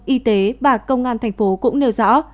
y tế và công an tp cũng nêu rõ